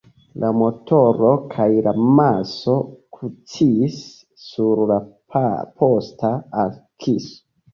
La motoro kaj la maso kuŝis sur la posta akso.